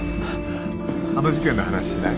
あの事件の話しない？